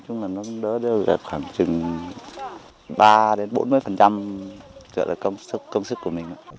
trong hai năm nay có điện thời gian phát triển kinh tế khá hơn mọi năm so với một mươi năm trước